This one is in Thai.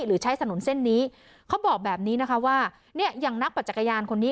หรือใช้ถนนเส้นนี้เขาบอกแบบนี้นะคะว่าเนี่ยอย่างนักปัจจักรยานคนนี้